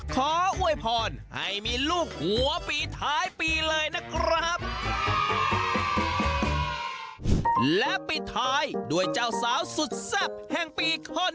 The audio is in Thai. ขออวยพรให้มีลูกหัวปีน